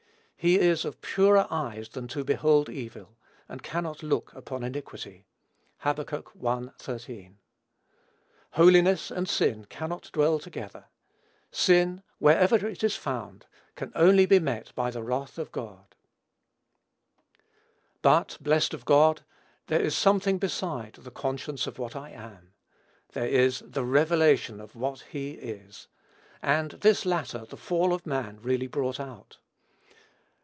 "He is of purer eyes than to behold evil, and cannot look upon iniquity." (Hab. i. 13.) Holiness and sin cannot dwell together. Sin, wherever it is found, can only be met by the wrath of God. But, blessed be God, there is something beside the conscience of what I am. There is the revelation of what he is; and this latter the fall of man really brought out.